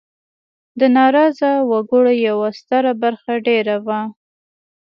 د ناراضه وګړو یوه ستره برخه دېره وه.